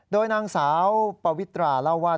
โดยนางสาวปวิตราเล่าว่า